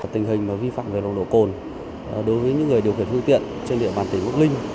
tình hình vi phạm về nồng độ cồn đối với những người điều khiển phương tiện trên địa bàn tỉnh bắc ninh